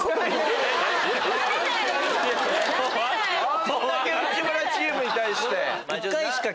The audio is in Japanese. あんだけ内村チームに対して。